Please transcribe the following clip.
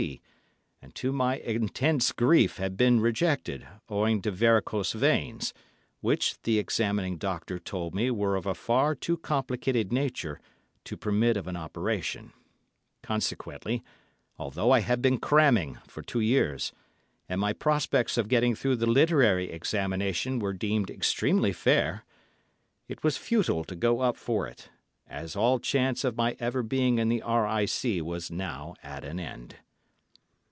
C., and to my intense grief had been rejected, owing to varicose veins, which the examining doctor told me were of a far too complicated nature to permit of an operation; consequently, although I had been "cramming" for two years, and my prospects of getting through the literary examination were deemed extremely fair, it was futile to go up for it, as all chance of my ever being in the R.I.C. was now at an end.